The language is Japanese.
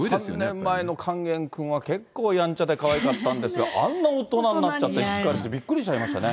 ３年前の勸玄君は、結構やんちゃでかわいかったんですが、あんな大人になっちゃって、しっかりして、びっくりしちゃいましたね。